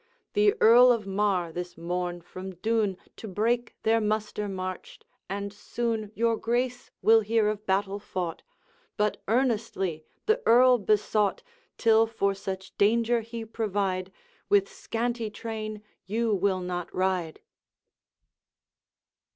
The Earl of Mar this morn from Doune To break their muster marched, and soon Your Grace will hear of battle fought; But earnestly the Earl besought, Till for such danger he provide, With scanty train you will not ride.'